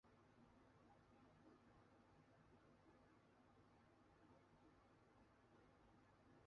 斯通曼湖是位于美国亚利桑那州可可尼诺县的一个非建制地区。